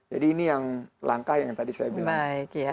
jadi ini yang langka yang tadi saya bilang